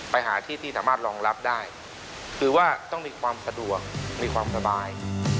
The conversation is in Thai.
ไปหาที่ที่สามารถรองรับได้คือว่าต้องมีความสะดวกมีความสบาย